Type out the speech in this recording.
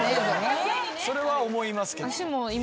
それは思います。